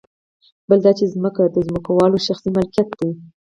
بل دا چې ځمکه د ځمکوالو شخصي ملکیت دی